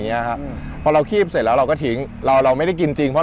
เนี้ยฮะอืมพอเราคีบเสร็จแล้วเราก็ทิ้งเราเราไม่ได้กินจริงเพราะ